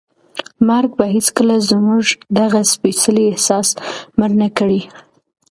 مرګ به هیڅکله زموږ دغه سپېڅلی احساس مړ نه کړي.